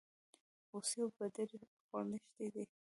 هوسۍ او بدرۍ خورلڼي دي.